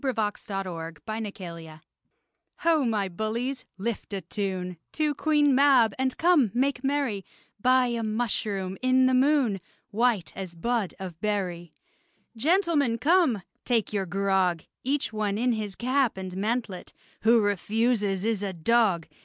AN ELF SWASHBUCKLER Ho, my bullies, lift a tune To Queen Mab, and, come, make merry, By a mushroom in the moon, White as bud of berry! Gentlemen, come! take your grog! Each one in his cap and mantlet: Who refuses is a dog!